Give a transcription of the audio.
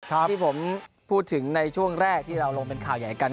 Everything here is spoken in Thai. ที่ผมพูดถึงในช่วงแรกที่เราลงเป็นข่าวใหญ่กัน